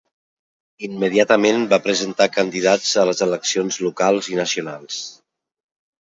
Immediatament va presentar candidats a les eleccions locals i nacionals.